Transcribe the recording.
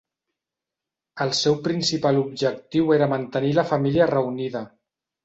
El seu principal objectiu era mantenir la família reunida.